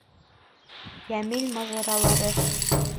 ЙӘМИЛ МАЖАРАЛАРЫ